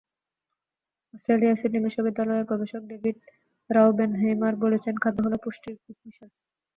অস্ট্রেলিয়ার সিডনি বিশ্ববিদ্যালয়ের গবেষক ডেভিড রাওবেনহেইমার বলেছেন, খাদ্য হলো পুষ্টির ঘুঁটমিশেল।